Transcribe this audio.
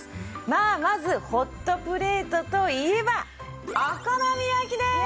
まあまずホットプレートといえばお好み焼きです！